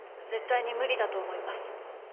絶対に無理だと思います。